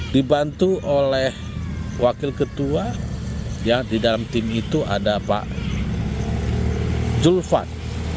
dibantu oleh wakil ketua di dalam tim itu ada pak julvan